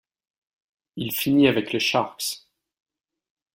Il finit avec les Sharks.